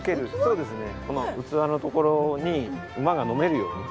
そうですね。